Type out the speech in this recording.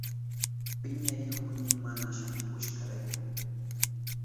Piñarihuni mana shamuhushkanrayku.